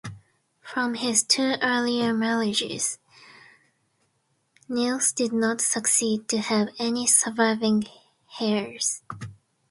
From his two earlier marriages, Nils did not succeed to have any surviving heirs.